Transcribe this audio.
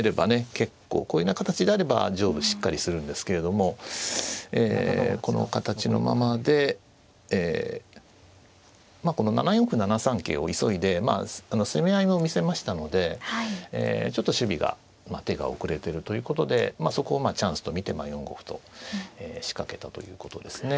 結構こういうような形であれば上部しっかりするんですけれどもこの形のままでまあこの７四歩７三桂を急いでまあ攻め合いを見せましたのでちょっと守備が手が遅れてるということでまあそこをチャンスと見て４五歩と仕掛けたということですね。